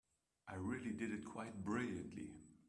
I really did it quite brilliantly.